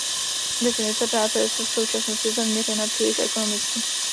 Definice práce je v současnosti zaměřena příliš ekonomicky.